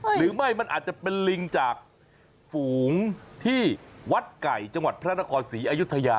หรือไม่มันอาจจะเป็นลิงจากฝูงที่วัดไก่จังหวัดพระนครศรีอยุธยา